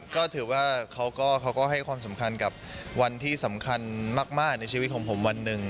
ก็ถือว่าเขาก็ให้ความสำคัญกับวันที่สำคัญมากในชีวิตของผมวันหนึ่ง